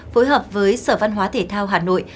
phối hợp với sở văn hóa thể thao hà nội